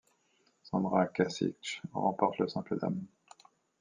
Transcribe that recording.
Sandra Cacic remporte le simple dames.